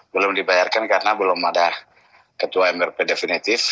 belum dibayarkan karena belum ada ketua mrp definitif